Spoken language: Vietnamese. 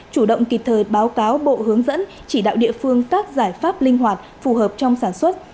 chủ động kịp thời báo cáo bộ hướng dẫn chỉ đạo địa phương các giải pháp linh hoạt phù hợp trong sản xuất